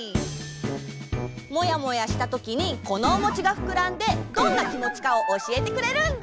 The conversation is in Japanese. モヤモヤしたときにこのおもちがふくらんでどんなきもちかをおしえてくれるんだ！